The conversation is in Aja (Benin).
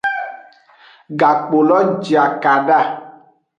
Gakpolo je akada.